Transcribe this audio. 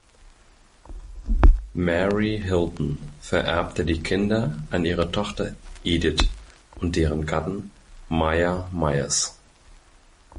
Mary Hilton „vererbte“ die Kinder an ihre Tochter Edith und deren Gatten Myer Myers.